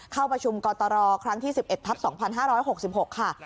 เข้าประชุมกตรครั้งที่๑๑ทัพ๒๕๖๖ค่ะ